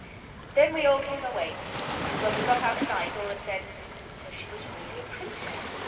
Then we all came away, and when we got outside Dora said, 'So she was really a Princess.